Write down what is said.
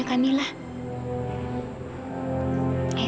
jangan dijarinya kamilah